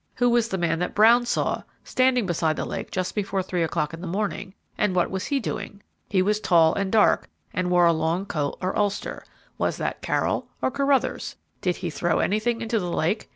Who was the man that Brown saw standing beside the lake just before three o'clock in the morning, and what was he doing? He was tall and dark, and wore a long coat or ulster. Was that Carroll or Carruthers? Did he throw anything into the lake?